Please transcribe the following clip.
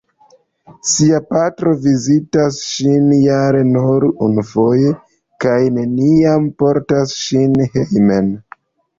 Sia patro vizitas ŝin jare nur unufoje, kaj neniam portas ŝin hejmen.